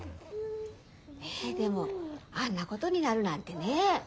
ねえでもあんなことになるなんてね。